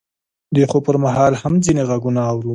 د خوب پر مهال هم ځینې غږونه اورو.